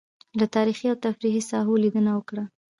له تاريخي او تفريحي ساحو لېدنه وکړه.